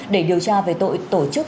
để điều tra về tội tổ chức